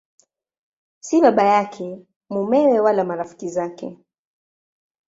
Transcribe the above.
Si baba yake, mumewe wala marafiki zake.